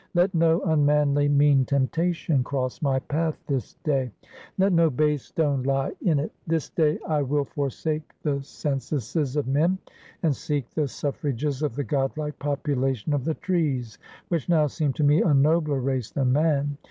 Let no unmanly, mean temptation cross my path this day; let no base stone lie in it. This day I will forsake the censuses of men, and seek the suffrages of the god like population of the trees, which now seem to me a nobler race than man.